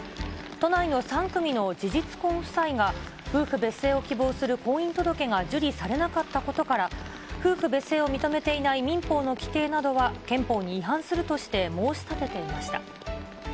都内の３組の事実婚夫妻が、夫婦別姓を希望する婚姻届が受理されなかったことから、夫婦別姓を認めていない民法の規定などは憲法に違反するとして申し立てていました。